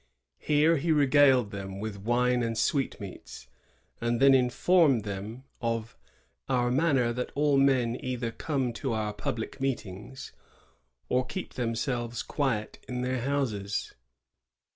Here he regaled them with wine and sweetmeats, and then informed them of *^our manner that all men either come to our publick meetings, or keep themselves quiet in their houses."